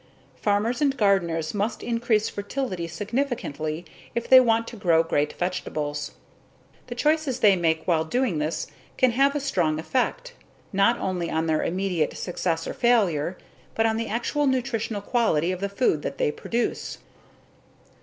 Farmers and gardeners must increase fertility significantly if they want to grow great vegetables. The choices they make while doing this can have a strong effect, not only on their immediate success or failure, but on the actual nutritional quality of the food that they produce.